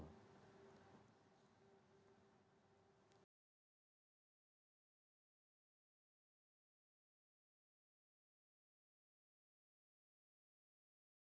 terakhir pada dua puluh dua desember kemarin gunung anak rakatau kembali erupsi